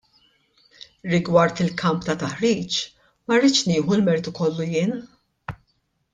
Rigward il-kamp ta' taħriġ ma rridx nieħu l-mertu kollu jien.